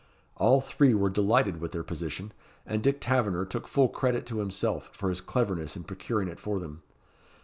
All three were delighted with their position, and Dick Taverner took full credit to himself for his cleverness in procuring it for them.